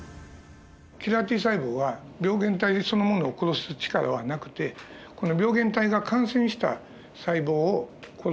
キラーＴ細胞は病原体そのものを殺す力はなくてこの病原体が感染した細胞を殺すという事でして。